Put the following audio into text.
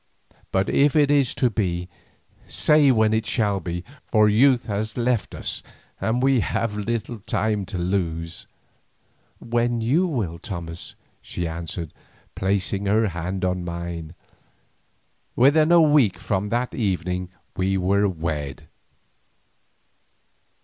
"But if it is to be, say when it shall be, for youth has left us and we have little time to lose." "When you will, Thomas," she answered, placing her hand in mine. Within a week from that evening we were wed.